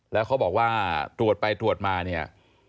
แล้วเขาบอกว่าตรวจไปตรวจมาเนี่ย